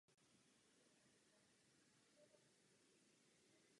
Z téhož roku pochází i první zmínky o obecní ústavě.